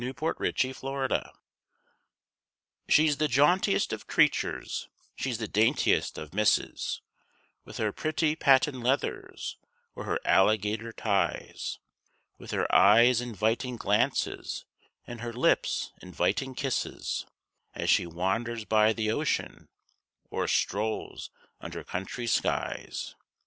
THE SUMMER GIRL She's the jauntiest of creatures, she's the daintiest of misses, With her pretty patent leathers or her alligator ties, With her eyes inviting glances and her lips inviting kisses, As she wanders by the ocean or strolls under country skies.